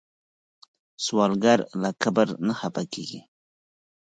سوالګر له کبر نه خفه کېږي